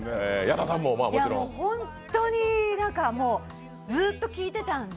本当にずっと聴いてたんで。